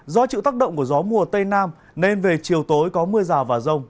do chịu tác động của gió mùa tây nam nên về chiều tối có mưa rào và rông